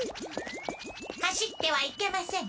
走ってはいけません。